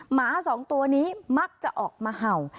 หมาสองตัวนี้มักจะออกมาเห่า